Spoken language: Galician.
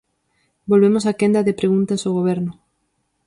Volvemos á quenda de preguntas ao Goberno.